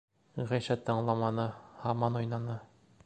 Ғәйшә тыңламаны, һаман уйнаны.